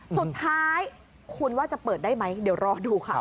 สุดท้ายคุณว่าจะเปิดได้ไหมเดี๋ยวรอดูค่ะ